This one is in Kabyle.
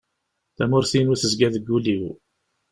Tamurt-inu tezga deg ul-iw.